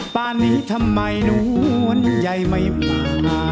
บ้านนี้ทำไมน้วนใหญ่ไม่มา